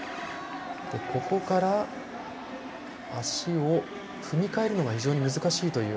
ここから、足を踏みかえるのが非常に難しいという。